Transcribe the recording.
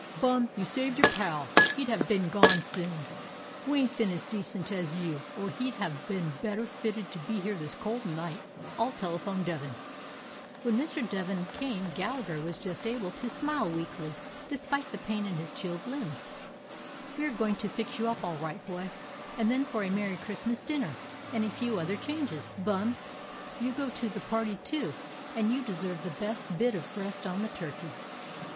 Bum, you saved your pal; he 'd have been gone soon. We ain't been as decent as you, or he 'd have been better fitted to be here this cold night. I 'll telephone Devin." When Mr. Devin came Gallagher was just able to smile weakly despite the pain in his chilled limbs. "We are going to fix you up all right, boy, and then for a merry Christmas dinner, and a few other changes. Bum, you go to the party too, and you deserve the best bit of breast on the turkey."